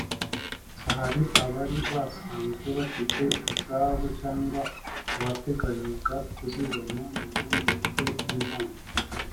Gusa hari abari basanzwe bafite izabo cyangwa abateganyaga kuzibona mu bundi buryo nk’impano